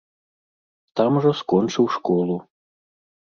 Там жа скончыў школу.